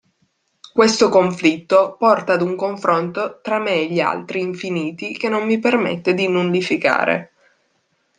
Questo conflitto porta ad un confronto tra me e gli altri infiniti che non mi permette di nullificare.